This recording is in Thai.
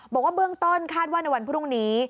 บอกว่าเบื้องต้นคาดว่าในวันพรุ่งนี้